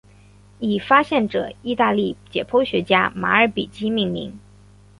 以发现者意大利解剖学家马尔比基命名。